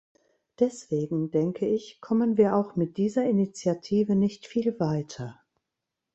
Deswegen denke ich, kommen wir auch mit dieser Initiative nicht viel weiter.